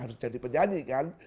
harus jadi penyanyi kan